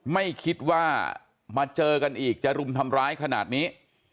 ไม่คิดว่ามาเจอกันอีกจะรุมทำร้ายขนาดนี้